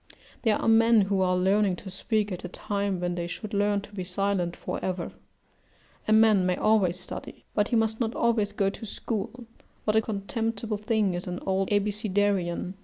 There are men who are learning to speak at a time when they should learn to be silent for ever. A man may always study, but he must not always go to school what a contemptible thing is an old Abecedarian!